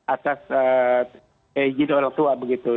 atas izin orang tua begitu